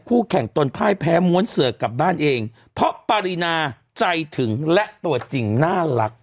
คู่แข่งตนพ่ายแพ้ม้วนเสือกกลับบ้านเองเพราะปารีนาใจถึงและตัวจริงน่ารัก